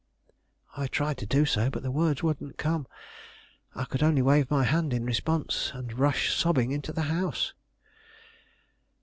I tried to do so, but the words wouldn't come. I could only wave my hand in response, and rush sobbing into the house.